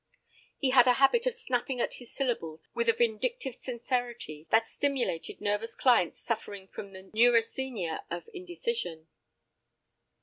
He had a habit of snapping at his syllables with a vindictive sincerity that stimulated nervous clients suffering from the neurasthenia of indecision.